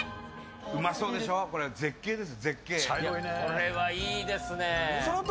うまそうでしょ、これ絶景です。